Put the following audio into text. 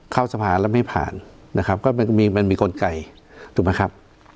เข้าสภาแล้วไม่ผ่านนะครับก็มีมันมีกลไกถูกไหมครับ